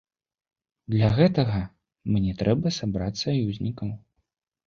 Для гэтага мне трэба сабраць саюзнікаў.